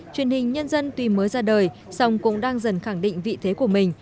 truyền hình nhân dân tuy mới ra đời song cũng đang dần khẳng định vị thế của mình